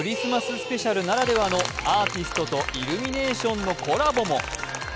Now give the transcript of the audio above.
スペシャルならではのアーティストとイルミネーションのコラボも。